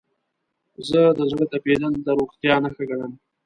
زه د زړه تپیدل د روغتیا نښه ګڼم.